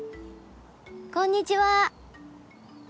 こんにちは。